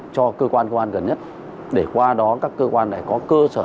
cho cơ quan cơ quan gần nhất để qua đó các cơ quan lại có cơ sở